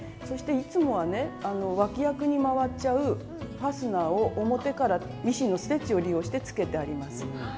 そしていつもはね脇役に回っちゃうファスナーを表からミシンのステッチを利用してつけてあります。